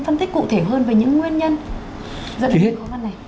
phân tích cụ thể hơn về những nguyên nhân dẫn đến khó khăn này